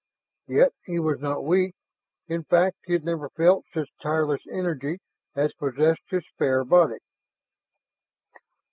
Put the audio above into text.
Yet he was not weak; in fact, he had never felt such tireless energy as possessed his spare body.